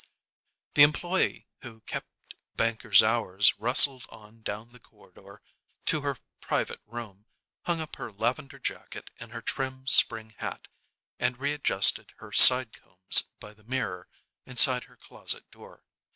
The employee who kept banker's hours rustled on down the corridor to her private room, hung up her lavender jacket and her trim spring hat, and readjusted her side combs by the mirror inside her closet door.